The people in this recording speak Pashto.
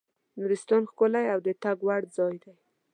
نورستان ښکلی او د تګ وړ ځای دی.